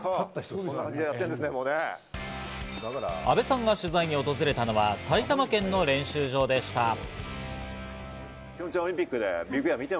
阿部さんが取材に訪れたのは、埼玉県の練習場でした。